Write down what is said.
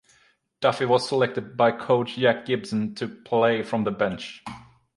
Duffy was selected by coach Jack Gibson to play from the bench.